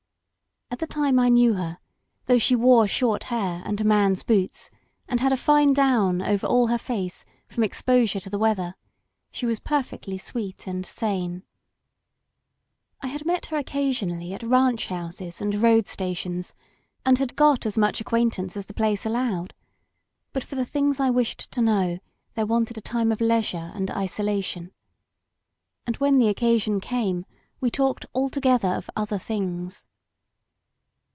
At the time I knew her, though she wore short hair and a man's boots, and had a fine down over all her face from exposure to the weather, she was per fectly sweet and sane. I had met her occasionally at ranch houses 199 LOST BORDERS and road stations, and had got as much ac quaintance as the place allowed; but for the things I wished to know there wanted a time of leisure and isolation. And when the occasion came we talked altogether of other things.